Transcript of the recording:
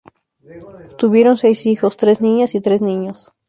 Tuvieron seis hijos, tres niñas y tres niños.